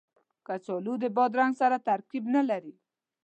کچالو د بادرنګ سره ترکیب نه لري